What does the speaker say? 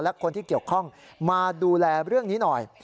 และคนที่เกี่ยวข้องมาดูแลเรื่องนี้หน่อย